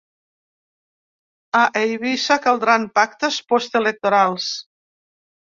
A Eivissa caldran pactes postelectorals.